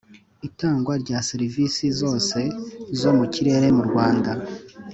Itangwa rya serivisi zose zo mu kirere mu Rwanda